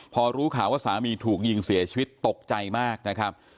พอรู้ข่าวว่าสามีถูกยิงเสียชีวิตตกใจมากนะครับ